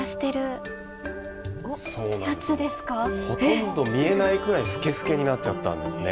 ほとんど見えないくらいスケスケになっちゃったんですね。